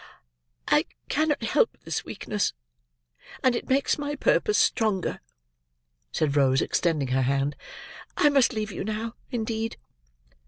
"I cannot help this weakness, and it makes my purpose stronger," said Rose, extending her hand. "I must leave you now, indeed."